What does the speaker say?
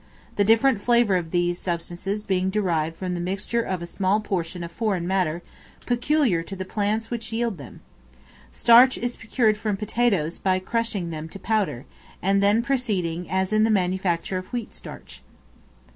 the different flavor of these substances being derived from the mixture of a small portion of foreign matter peculiar to the plants which yield them. Starch is procured from potatoes by crushing them to powder, and then proceeding as in the manufacture of wheat starch.